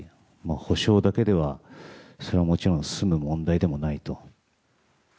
補償だけでは、それはもちろん済む問題でもないと。